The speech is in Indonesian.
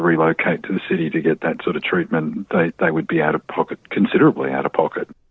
mereka akan terlalu terlalu terlalu terlalu terlalu